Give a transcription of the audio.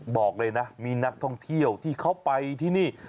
บอกเลยนะมีนักท่องเที่ยวที่เขาไปที่นี่